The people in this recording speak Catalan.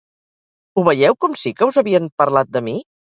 Ho veieu com sí que us havien parlat de mi?